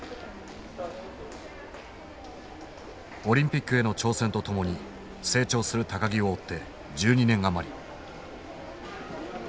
オリンピックへの挑戦とともに成長する木を追って１２年余り。